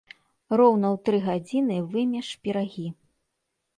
Роўна ў тры гадзіны вымеш пірагі.